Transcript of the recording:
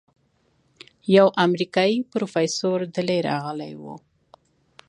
يو امريکايي پروفيسور دېلې رغلى و.